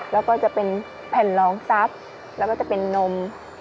แล้วก็จะเป็นแผ่นรองทรัพย์แล้วก็จะเป็นนม